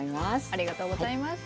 ありがとうございます。